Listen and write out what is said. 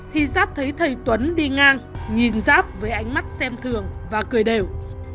thì giáp thấy thầy tuấn đi ngang nhìn giáp với ánh mắt xem thường và cười đều